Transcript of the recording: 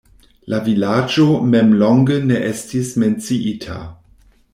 La vilaĝo mem longe ne estis menciita.